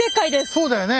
そうだよね。